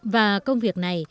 và công việc này